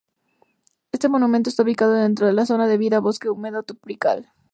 Este Monumento está ubicado dentro de la Zona de Vida Bosque Húmedo Tropical.